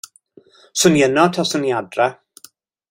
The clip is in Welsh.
'Swn i yno taswn i adra'.